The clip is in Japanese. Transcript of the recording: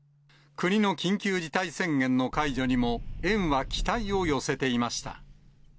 国の緊急事態宣言の解除にも、園は期待を寄せていました。